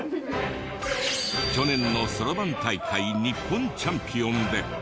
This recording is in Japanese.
去年のそろばん大会日本チャンピオンで。